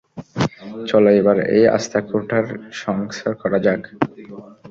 চলো এবার এই আঁস্তাকুড়টার সংস্কার করা যাক!